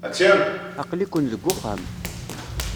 Aql-iken deg uxxam.